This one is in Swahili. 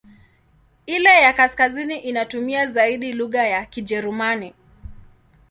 Ile ya kaskazini inatumia zaidi lugha ya Kijerumani.